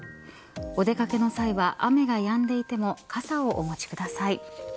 お出掛けの際は雨がやんでいても傘をお持ちください。